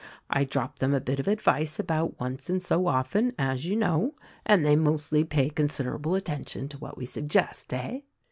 I drop them a bit of advice about once in so often — as you know — and they mostly pay considerable attention to what we sug gest, Eh